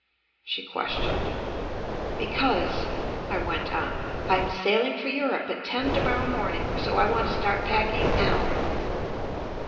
she questioned. "Because," I went on, "I'm sail ing for Europe at ten to morrow morning, so I want to start packing now."